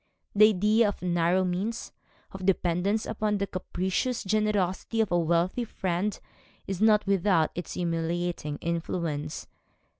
The idea of narrow means, of dependence upon the capricious generosity of a wealthy friend is not without its humiliating influence.